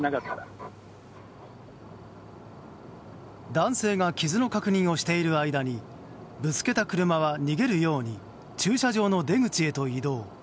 男性が傷の確認をしている間にぶつけた車は逃げるように駐車場の出口へと移動。